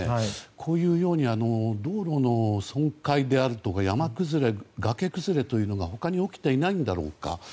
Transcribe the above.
こういうように道路の損壊であるとか山崩れ、崖崩れというのが他に起きていないんだろうか。